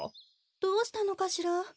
どうしたのかしら？